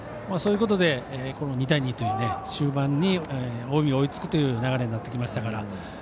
そういうことで２対２という終盤に近江が追いつくという流れになってきましたから。